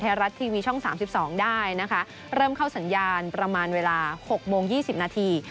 แท้รัฐทีวีช่องสามสิบสองได้นะคะเริ่มเข้าสัญญาณประมาณเวลาหกโมงยี่สิบนาที